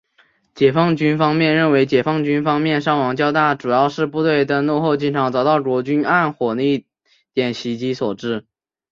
解放军方面认为解放军方面伤亡较大主要是部队登陆后经常遭到国军暗火力点袭击所致。